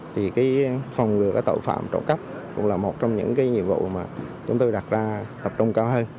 thì phòng ngừa các tội phạm trộm cắp cũng là một trong những nhiệm vụ mà chúng tôi đặt ra tập trung cao hơn